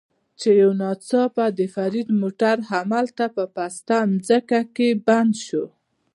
چې یو ناڅاپه د فرید موټر همالته په پسته ځمکه کې بند شو.